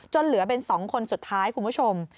เหลือเป็น๒คนสุดท้ายคุณผู้ชม